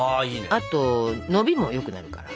あとのびもよくなるから。